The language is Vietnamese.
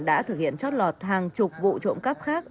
đã thực hiện chót lọt hàng chục vụ trộm cắp khác